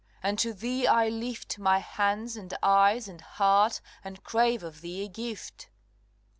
unto thee I lift My hands, and eyes, and heart, and crave of thee a gift: CXXXI.